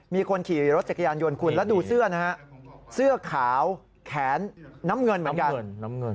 มีคนขี่รถจักรยานยนต์คุณแล้วดูเสื้อนะฮะเสื้อขาวแขนน้ำเงินเหมือนกัน